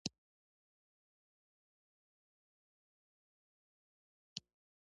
اوږده، ګرده، او تنوری ډوډۍ می خوښیږی